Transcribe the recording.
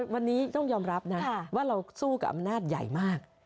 วันนี้ต้องยอมรับนะว่าเราสู้กับอำนาจใหญ่มาก